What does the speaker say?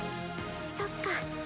そっか。